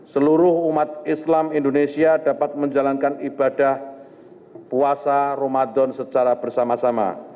seluruh umat islam indonesia dapat menjalankan ibadah puasa ramadan secara bersama sama